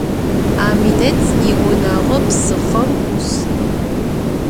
Aminet yiunağo psıxhom 'us.